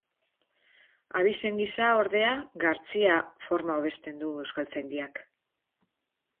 Abizen gisa, ordea, Gartzia forma hobesten du Euskaltzaindiak.